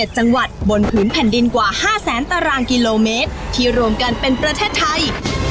๗จังหวัดบนผืนแผ่นดินกว่า๕แสนตารางกิโลเมตรที่รวมกันเป็นประเทศไทย